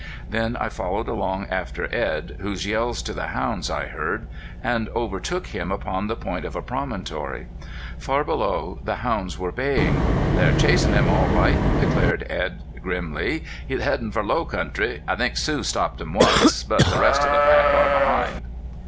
Then I followed along after Edd whose yells to the hounds I heard, and overtook him upon the point of a promontory. Far below the hounds were baying. "They're chasin' him all right," declared Edd, grimly. "He's headin' for low country. I think Sue stopped him once. But the rest of the pack are behind."